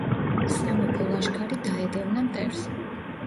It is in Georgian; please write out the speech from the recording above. სამეფო ლაშქარი დაედევნა მტერს.